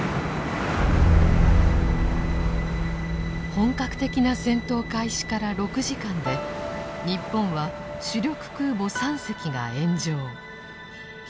本格的な戦闘開始から６時間で日本は主力空母３隻が炎上。